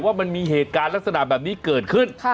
ว่ามันมีเหตุการณ์ลักษณะแบบนี้เกิดขึ้น